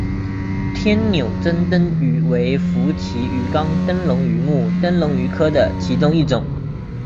天纽珍灯鱼为辐鳍鱼纲灯笼鱼目灯笼鱼科的其中一种。